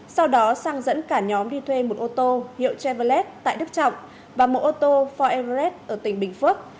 sau đó sang dẫn cả nhóm đi thuê một ô tô hiệu chevrolet tại đức trọng và một ô tô forever red ở tỉnh bình phước